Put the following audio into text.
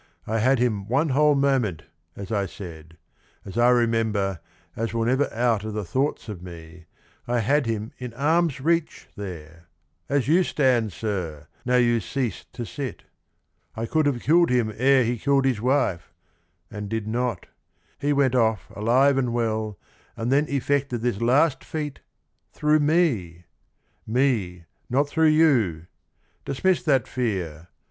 I had him one whole moment, as I said — As I remember, as will never out O' the thoughts of me, — I had him in arm's reach There — as you stand, Sir, now you cease to sit, — I could have killed him ere he killed his wife, And did not : he went off alive and well And then effected this last feat — through me 1 Me — not through you — dismiss that fear